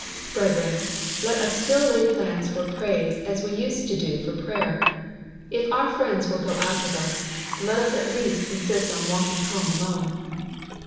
Brethren, let us still lay plans for praise as we used to do for prayer. If our friends will go out with us, let us at least insist on walking home alone.